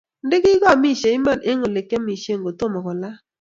ndikikaamishe Iman eng ole kiamishe kotomo kolal